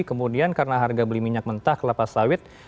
kemudian karena harga beli minyak mentah kelapa sawit